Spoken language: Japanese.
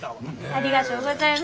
ありがとうございます。